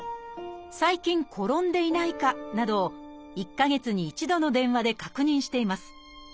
「最近転んでいないか」などを１か月に１度の電話で確認しています。